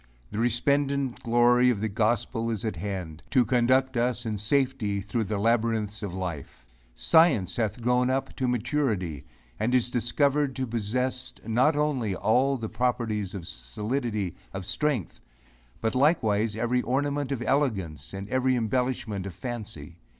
The resplendent glory of the gospel is at hand, to conduct us in safety through the labyrinths of life. Science hath grown up to maturity, and is discovered to possess not only all the properties of solidity of strength, but likewise every ornament of elegance, and every embellishment of fancy.